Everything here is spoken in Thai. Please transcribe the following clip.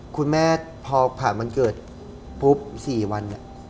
คุณแม่พอผ่านวันเกิดปุ๊บ๔วัน